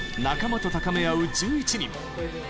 仲間と高め合う１１人。